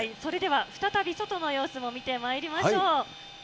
それでは再び、外の様子も見てまいりましょう。